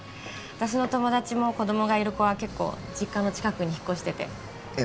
私の友達も子供がいる子は結構実家の近くに引っ越しててええ